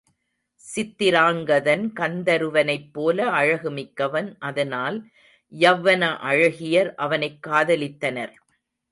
சித்திராங்கதன் கந்தருவனைப்போல அழகு மிக்கவன் அதனால் யவ்வன அழகியர் அவனைக் காதலித்தனர்.